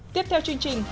tiếp theo chương trình